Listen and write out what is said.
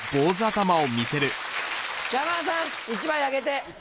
山田さん１枚あげて。